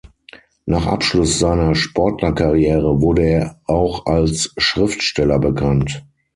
Nach Abschluss seiner Sportlerkarriere, wurde er auch als Schriftsteller bekannt.